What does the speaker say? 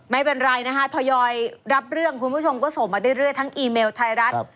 ไม่เป็นไรนะคะทยอยรับเรื่องคุณผู้ชมก็ส่งมาเรื่อยทั้งอีเมลไทยรัฐ